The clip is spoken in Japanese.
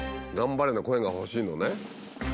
「頑張れ」の声が欲しいのね。